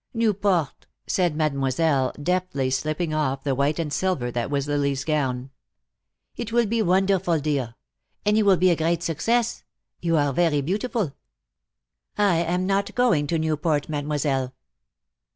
"Newport!" said Mademoiselle, deftly slipping off the white and silver that was Lily's gown. "It will be wonderful, dear. And you will be a great success. You are very beautiful." "I am not going to Newport, Mademoiselle."